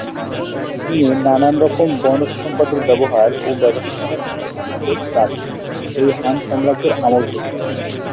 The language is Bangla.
চীনে নানান রকম বনজ সম্পদের ব্যবহার ও ব্যবস্থাপনার ইতিহাস বেশ প্রাচীন- সেই হান সাম্রাজ্যের আমল থেকে।